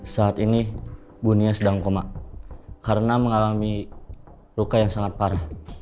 saat ini dunia sedang koma karena mengalami luka yang sangat parah